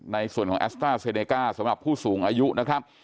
ในส่วนของแอสต้าเซเนก้าสำหรับผู้สูงอายุนะครับ